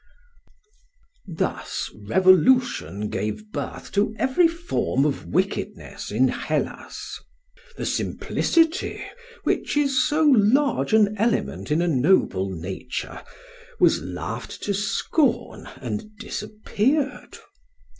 "Thus revolution gave birth to every form of wickedness in Hellas. The simplicity which is so large an element in a noble nature was laughed to scorn and disappeared.